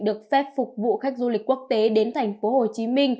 được phép phục vụ khách du lịch quốc tế đến tp hcm